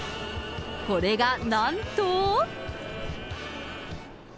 これがなんと。